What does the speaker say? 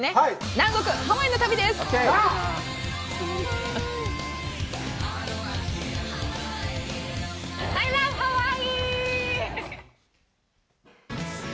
南国・ハワイの旅ですアイラブハワイ！